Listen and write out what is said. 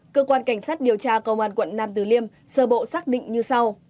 cơ quan cảnh sát điều tra công an quận nam từ liêm sơ bộ xác định như sau